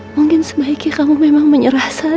mungkin sebaiknya kamu memang menyerah saya